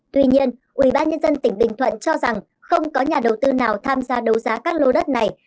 tuy nhiên ubnd tỉnh bình thuận cho rằng không có nhà đầu tư nào tham gia đấu giá các lô đất này